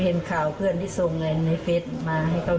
บอกครับบอกอะไรบ้างนะครับ